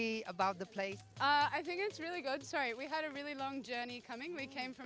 mendapatkan cufflink untuk menikmati perjalanan ke kembali ke negara